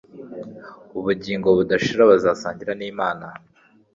ubugingo budashira bazasangira n’Imana,